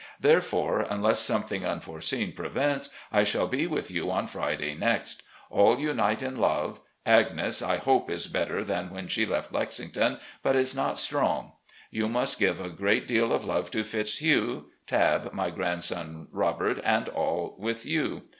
Therefore, tmless something unforeseen prevents, I shall be with you on Friday next. All unite in love. Agnes, I hope, is better than when she left Lexington, but is not strong. You THE SOUTHERN TRIP 403 must give a great deal of love to Fitzhugh, Tabb, my grandson Robert, and all with you.